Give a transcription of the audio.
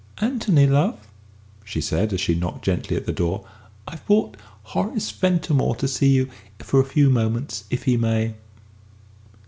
"Anthony, love," she said, as she knocked gently at the door, "I've brought Horace Ventimore to see you for a few moments, if he may."